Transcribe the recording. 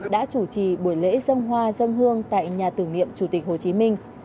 đã chủ trì buổi lễ dân hoa dân hương tại nhà tưởng niệm chủ tịch hồ chí minh